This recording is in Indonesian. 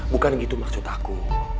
bukan gitu maksud aku